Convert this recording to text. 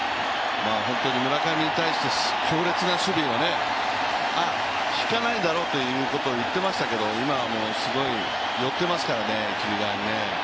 村上に対して強烈な守備がね、引かないんだろうっていうことを言ってましたけど今はもう寄っていますから、一塁側に。